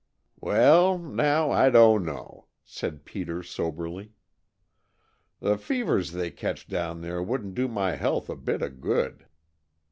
"Well, now, I don't know," said Peter soberly. "The fevers they catch down there wouldn't do my health a bit of good.